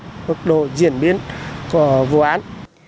hợp độ diễn biến của vụ án